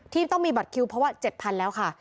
ต้องมีบัตรคิวเพราะว่า๗๐๐แล้วค่ะ